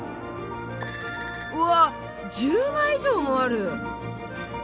うわっ１０枚以上もある！